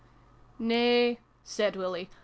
Nay," said Willie.